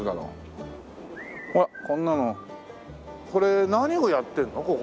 うわっこんなのこれ何をやってるの？